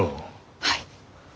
はい。